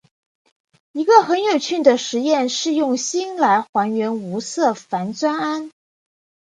一个很有趣的试验是用锌来还原无色的钒酸铵。